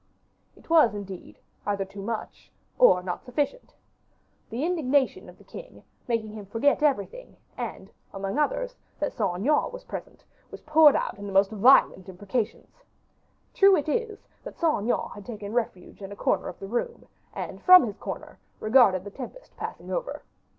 It was, indeed, either too much, or not sufficient. The indignation of the king, making him forget everything, and, among others, that Saint Aignan was present, was poured out in the most violent imprecations. True it is, that Saint Aignan had taken refuge in a corner of the room; and from his corner, regarded the tempest passing over.